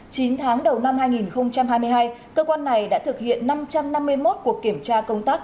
chín tháng đầu năm hai nghìn hai mươi hai cơ quan này đã thực hiện năm trăm năm mươi một cuộc kiểm tra công tác